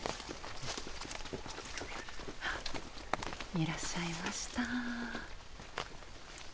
いらっしゃいました。